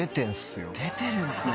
出てるんっすね。